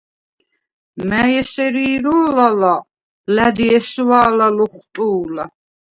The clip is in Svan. მა̈ჲ ესერ ირო̄ლ ალა̄, ლა̈დი ესვა̄ლა ლოხვტუ̄ლა: